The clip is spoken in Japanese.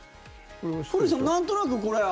古市さん、なんとなくこれは。